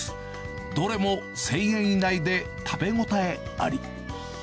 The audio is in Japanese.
どれも１０００円以内で食べ応えあり。